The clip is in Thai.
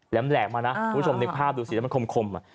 ลำแหล่งมานะในภาพดูสิดูสิมันคมคม